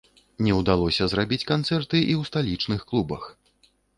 Не ўдалося зрабіць канцэрты і ў сталічных клубах.